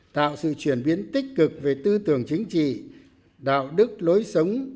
tạo sự chuyển biến tích cực về tư tưởng chính trị đạo đức lối sống